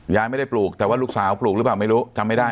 ยายไม่ได้ปลูกแต่ว่าลูกสาวปลูกหรือเปล่าไม่รู้จำไม่ได้